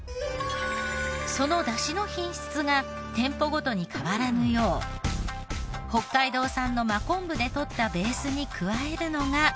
その出汁の品質が店舗ごとに変わらぬよう北海道産の真昆布で取ったベースに加えるのが。